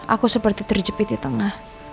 aku seperti terjepit di tengah